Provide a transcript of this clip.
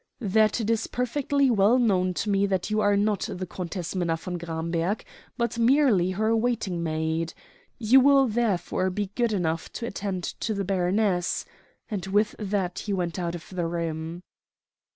"'That it is perfectly well known to me that you are not the Countess Minna von Gramberg, but merely her waiting maid. You will therefore be good enough to attend to the baroness,' and with that he went out of the room."